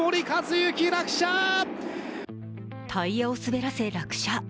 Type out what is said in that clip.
タイヤを滑らせ落車。